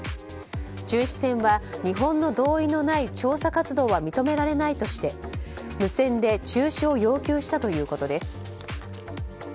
巡視船は日本の同意のない調査活動は認められないとして無線で中止を要求したということです。